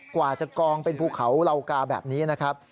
กว่าจะกองเป็นภูเขาเหล่ากาแบบนี้นะครับ